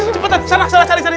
secepatan salah salah cari cari